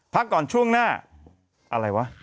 พักก่อนช่วงหน้าอะไรวะ